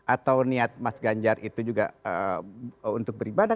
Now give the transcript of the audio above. atau niat mas ganjar itu juga untuk beribadah